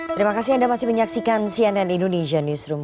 terima kasih anda masih menyaksikan cnn indonesia newsroom